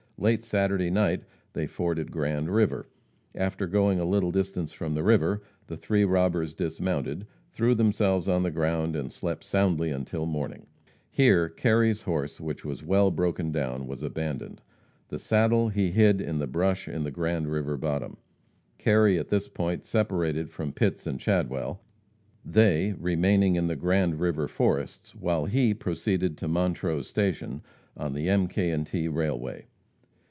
Late Saturday night they forded Grand river. After going a little distance from the river, the three robbers dismounted, threw themselves on the ground, and slept soundly until morning. Here Kerry's horse, which was well broken down, was abandoned. The saddle he hid in the brush in the Grand river bottom. Kerry at this point separated from Pitts and Chadwell, they remaining in the Grand river forests, while he proceeded to Montrose station, on the M., K. & T. railway.